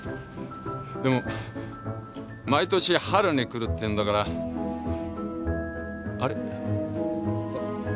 でも毎年春に来るって言うんだからあれ？